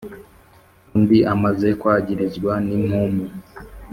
Undi amaze kwagirizwa n'impumu!